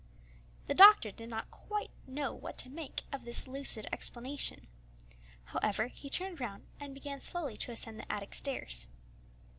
The doctor did not quite know what to make of this lucid explanation. However, he turned round and began slowly to ascend the attic stairs.